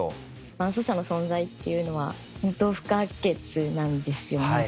伴走者の存在っていうのは本当不可欠なんですよね。